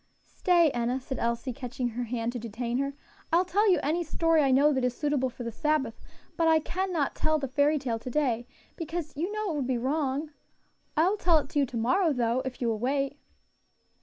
"Stay, Enna," said Elsie, catching her hand to detain her; "I will tell you any story I know that is suitable for the Sabbath; but I cannot tell the fairy tale to day, because you know it would be wrong. I will tell it to you to morrow, though, if you will wait."